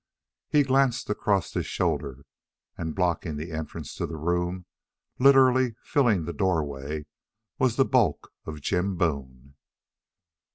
He glanced across his shoulder, and blocking the entrance to the room, literally filling the doorway, was the bulk of Jim Boone.